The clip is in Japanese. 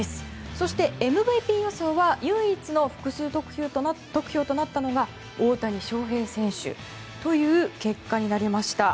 そして、ＭＶＰ予想は唯一の複数得票となったのが大谷翔平選手という結果になりました。